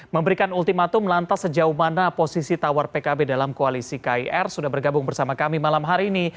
memberikan ultimatum lantas sejauh mana posisi tawar pkb dalam koalisi kir sudah bergabung bersama kami malam hari ini